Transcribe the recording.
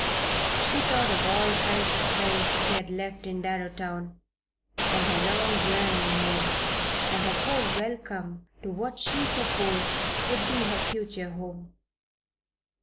She thought of all the kind friends she had left in Darrowtown, and her long journey here, and her cold welcome to what she supposed would be her future home.